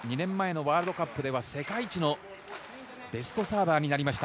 ２年前のワールドカップでは世界一のベストサーバーになりました、